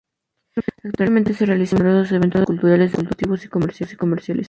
Actualmente, se realizan además numerosos eventos culturales, deportivos y comerciales.